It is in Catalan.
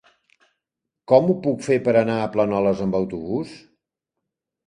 Com ho puc fer per anar a Planoles amb autobús?